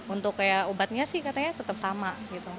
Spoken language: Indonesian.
untuk kayak obatnya sih katanya tetap sama gitu